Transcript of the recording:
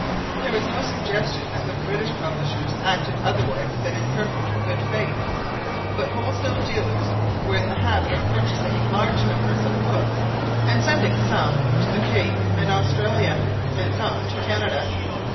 There was no suggestion that the British publishers acted otherwise than in perfect good faith; but wholesale dealers were in the habit of purchasing large numbers of books, and sending some to the Cape and Australia, and some to Canada.